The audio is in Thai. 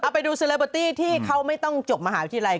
ไปดูเซเลเบอร์ตี้ที่เขาไม่ต้องจบมหาวิทยาลัย